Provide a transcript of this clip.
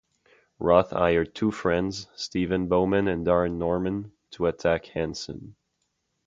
Roth hired two friends, Steven Bowman and Darren Norman, to attack Hanson.